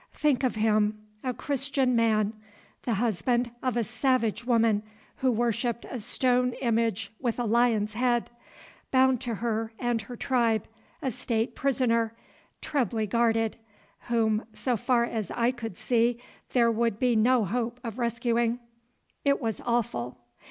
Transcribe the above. Think of him, a Christian man, the husband of a savage woman who worshipped a stone image with a lion's head, bound to her and her tribe, a state prisoner, trebly guarded, whom, so far as I could see, there would be no hope of rescuing. It was awful.